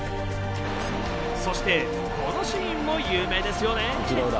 そしてこのシ−ンも有名ですよね。